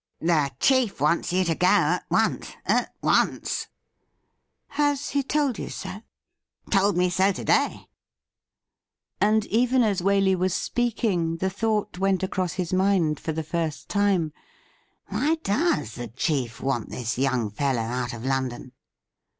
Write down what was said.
The chief wants you to go at once — at once.' ' Has he told you so ?''' Told me so to day.' And even as Waley was speaking the thought went across his mind for the first time :' Why does the chief want this young fellow out of London